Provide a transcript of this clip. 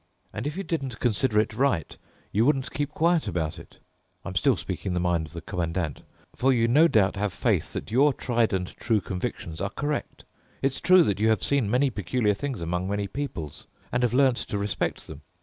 And if you didn't consider it right, you wouldn't keep quiet about it—I'm still speaking the mind of the Commandant—for you no doubt have faith that your tried and true convictions are correct. It's true that you have seen many peculiar things among many peoples and have learned to respect them.